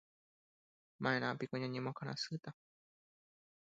Ma'erãpiko ñañemoakãrasýta